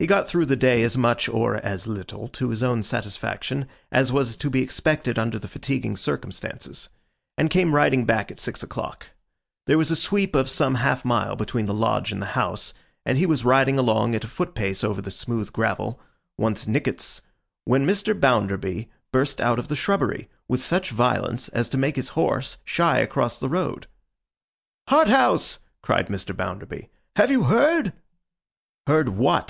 He got through the day as much (or as little) to his own satisfaction, as was to be expected under the fatiguing circumstances; and came riding back at six o'clock. There was a sweep of some half mile between the lodge and the house, and he was riding along at a foot pace over the smooth gravel, once Nickits's, when Mr. Bounderby burst out of the shrubbery, with such violence as to make his horse shy across the road. 'Harthouse!' cried Mr. Bounderby. 'Have you heard?' 'Heard what?